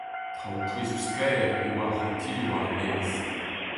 Traoù pouezus-kaer e oa ar c'hontilli war ar maez.